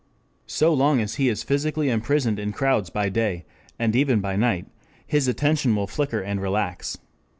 So long as he is physically imprisoned in crowds by day and even by night his attention will flicker and relax.